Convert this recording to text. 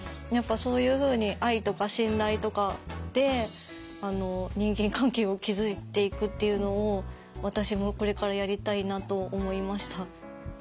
やっぱそういうふうに愛とか信頼とかで人間関係を築いていくっていうのを私もこれからやりたいなと思いました。